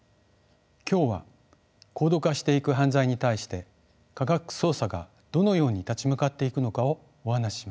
今日は高度化していく犯罪に対して科学捜査がどのように立ち向かっていくのかをお話しします。